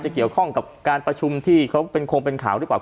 เกี่ยวข้องกับการประชุมที่เขาเป็นคงเป็นข่าวหรือเปล่า